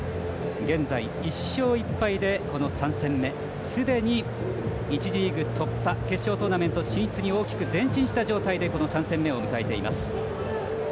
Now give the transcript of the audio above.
現在、１勝１敗でこの３戦目すでに１次リーグ突破決勝トーナメント進出に大きく前進した状態でこの３戦目を迎えています。